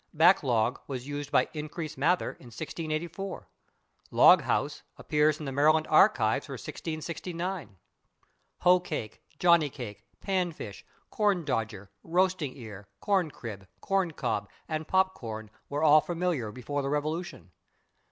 /Back log/ was used by Increase Mather in 1684. /Log house/ appears in the Maryland Archives for 1669. /Hoe cake/, /Johnny cake/, /pan fish/, /corn dodger/, /roasting ear/, /corn crib/, /corn cob/ and /pop corn/ were all familiar before the Revolution.